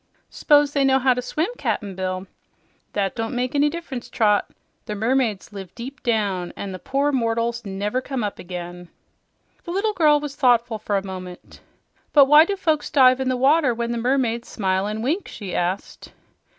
"S'pose they knew how to swim, Cap'n Bill?" "That don't make any diff'rence, Trot. The mermaids live deep down, an' the poor mortals never come up again." The little girl was thoughtful for a moment. "But why do folks dive in the water when the mermaids smile an' wink?" she asked.